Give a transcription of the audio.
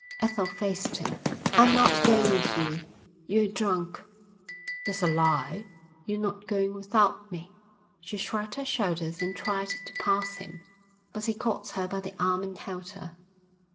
Ethel faced him. "I'm not going with you. You're drunk." "That's a lie. You're not going without me." She shrugged her shoulders and tried to pass him, but he caught her by the arm and held her.